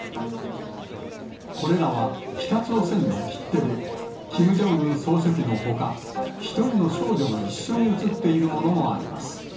これらは、北朝鮮の切手で、キム・ジョンウン総書記のほか、１人の少女が一緒に写っているものもあります。